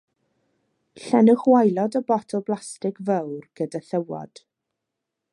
Llenwch waelod y botel blastig fawr gyda thywod.